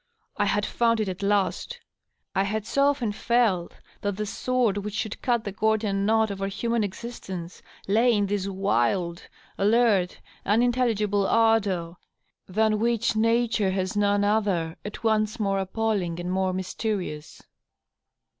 I had found it at last I I had so often felt that the sword which should cut the Gordian knot of our human existence lay in this wild, alert, unintelligible ardor, than which nature has none other at once more appalling and more mysterious.